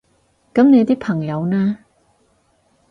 噉你啲朋友呢？